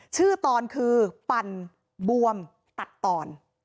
ตอนคือปั่นบวมตัดตอน